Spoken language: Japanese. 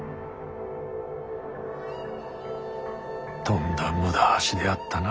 とんだ無駄足であったな。